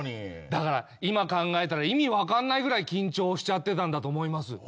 だから今考えたら意味分かんないぐらい緊張しちゃってたんだと思います。